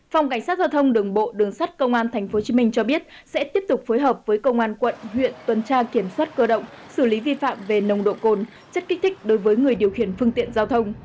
phòng cảnh sát giao thông đường bộ đường sắt công an tp hcm cho biết sẽ tiếp tục phối hợp với công an quận huyện tuần tra kiểm soát cơ động xử lý vi phạm về nồng độ cồn chất kích thích đối với người điều khiển phương tiện giao thông